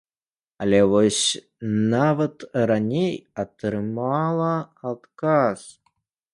Але вось нават раней атрымала адказ.